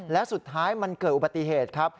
และสุดท้ายมันเกิดอุบัติเหตุครับ